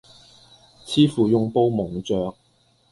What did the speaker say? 似乎用布蒙着；